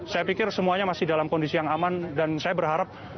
saya pikir semuanya masih dalam kondisi yang aman dan saya berharap